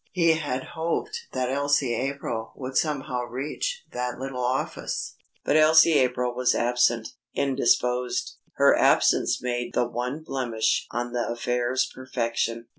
He had hoped that Elsie April would somehow reach that little office. But Elsie April was absent, indisposed. Her absence made the one blemish on the affair's perfection.